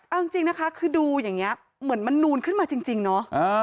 เอาจริงนะคะคือดูอย่างนี้เหมือนมันนูนขึ้นมาจริงเนาะ